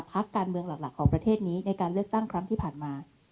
พักการเมืองหลักของประเทศนี้ในการเลือกตั้งครั้งที่ผ่านมา